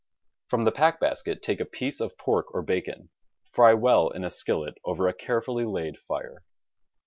From the pack basket take a piece of pork or bacon, fry well in a skillet over a carefully laid fire.